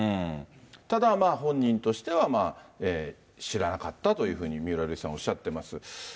ただ、本人としては、知らなかったということふうに、三浦瑠麗さんおっしゃってます。